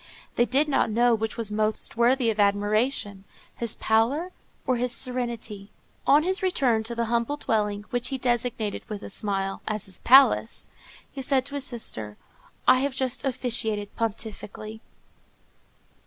They did not know which was most worthy of admiration, his pallor or his serenity. On his return to the humble dwelling, which he designated, with a smile, as his palace, he said to his sister, _"I have just officiated pontifically."